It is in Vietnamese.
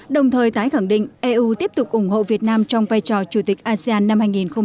đồng thời tái khẳng định eu tiếp tục ủng hộ việt nam trong vai trò chủ tịch asean năm hai nghìn hai mươi